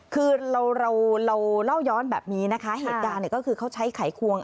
คือเราเราเล่าย้อนแบบนี้นะคะเหตุการณ์เนี่ยก็คือเขาใช้ไขควง